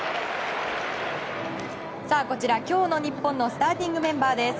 こちら、今日の日本のスターティングメンバーです。